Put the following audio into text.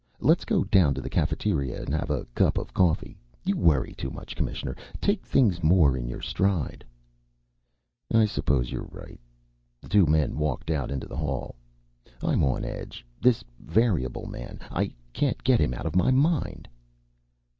"Let's go down to the cafeteria and have a cup of coffee. You worry too much, Commissioner. Take things more in your stride." "I suppose you're right." The two men walked out into the hall. "I'm on edge. This variable man. I can't get him out of my mind."